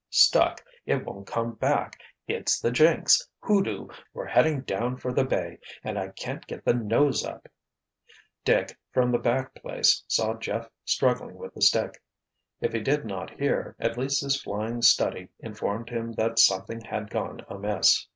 "Stuck. It won't come back. It's the jinx! Hoodoo! We're heading down for the bay and I can't get the nose up!" Dick, from the back place, saw Jeff struggling with the stick. If he did not hear, at least his flying study informed him that something had gone amiss.